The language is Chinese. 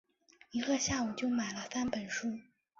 一个下午就买了三本书